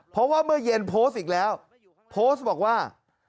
เพราะว่าเมื่อเย็นโพสต์อีกแล้วโพสต์บอกว่า